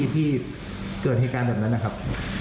ที่เกิดทกันแบบนั้นนะครับ